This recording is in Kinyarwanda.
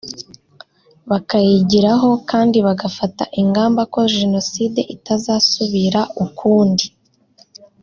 bakayigiraho kandi bagafata ingamba ko Jenoside itazasubira ukundi